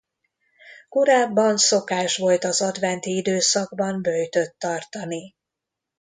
Korábban szokás volt az adventi időszakban böjtöt tartani.